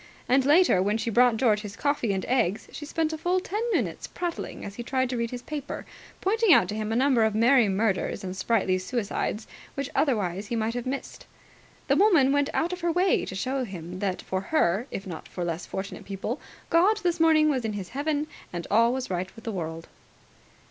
And, later, when she brought George his coffee and eggs, she spent a full ten minutes prattling as he tried to read his paper, pointing out to him a number of merry murders and sprightly suicides which otherwise he might have missed. The woman went out of her way to show him that for her, if not for less fortunate people, God this morning was in His heaven and all was right in the world.